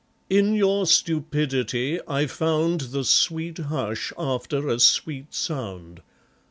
In your stupidity I found The sweet hush after a sweet sound.